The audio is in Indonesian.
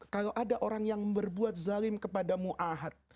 kalau ada orang yang berbuat zalim kepada mu'ahad